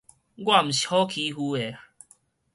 我毋是好欺負的